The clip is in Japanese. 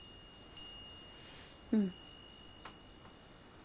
うん。